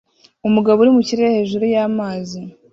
Umugabo uri mu kirere hejuru y'amazi